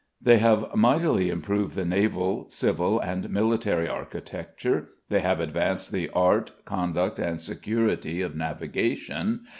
They have mightily improved the naval, civil, and military architecture. They have advanced the art, conduct, and security of navigation.